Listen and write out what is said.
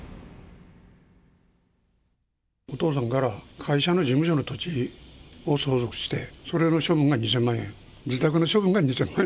お父さんから会社の事務所の土地を相続して、それの処分が２０００万円、自宅の処分が２０００万円。